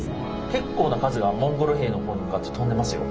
結構な数がモンゴル兵の方に向かって飛んでますよ。